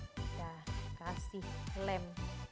kita kasih lem